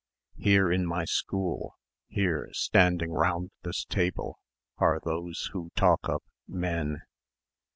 "Here in my school, here standing round this table are those who talk of men.